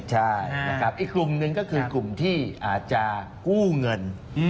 ใช่นะครับอีกกลุ่มหนึ่งก็คือกลุ่มที่อาจจะกู้เงิน